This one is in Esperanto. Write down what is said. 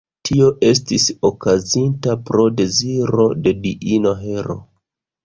Tio estis okazinta pro deziro de diino Hero.